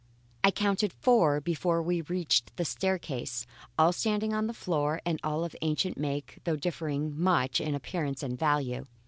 I counted four before I reached the staircase, all standing on the floor and all of ancient make, though differing much in appearance and value.